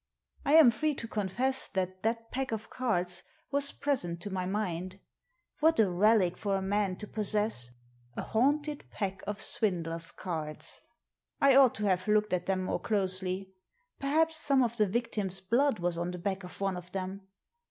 I am free to confess that that pack of cards was present to my mind. What a relic for a man to possess — a haunted pack of swindler's cards ! I ought to have looked at them more closely : perhaps some of the victim's blood was on the back of one of them.